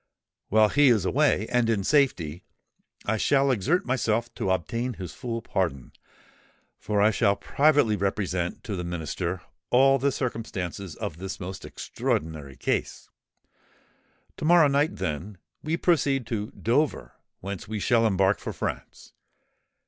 While he is away, and in safety, I shall exert myself to obtain his full pardon; for I shall privately represent to the Minister all the circumstances of this most extraordinary case. To morrow night, then, we proceed to Dover, whence we shall embark for France.